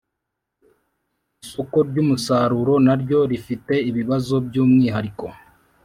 Isoko ry umusaruro naryo rifite ibibazo by umwihariko